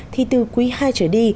thì từ quý hai trở đi